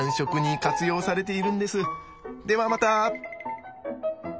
ではまた。